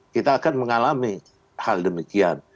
kita akan mengalami hal demikian